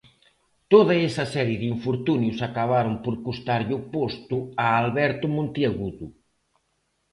Toda esta serie de infortunios acabaron por custarlle o posto a Alberto Monteagudo.